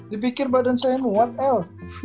dipikir badan saya kuat l